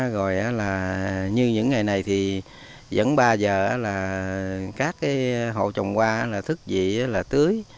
rồi là như những ngày này thì vẫn ba giờ là các hộ trồng hoa là thức dị là tưới